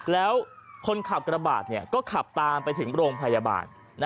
แล้วคนขับกระบาดก็ขับตามไปถึงโรงพยาบาล